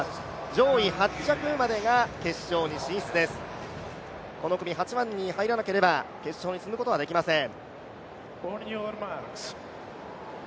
上位８着までが決勝に進出です、この組８番に入らなければ、決勝に進むことはできません。